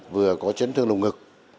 vừa có trấn thương lùng ngực